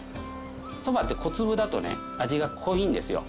そばって小粒だとね味が濃いんですよ。